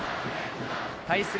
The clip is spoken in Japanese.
対する